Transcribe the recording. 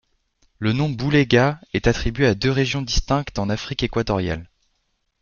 Le nom Bulega est attribué à deux régions distinctes en Afrique équatoriale.